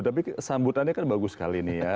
tapi sambutannya kan bagus sekali nih ya